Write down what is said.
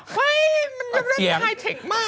ไว้ยยยมันเมื่อกี้ไฮเทคมาก